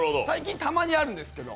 たまにあるんですけど。